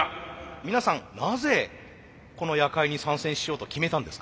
皆さんなぜこの夜会に参戦しようと決めたんですか？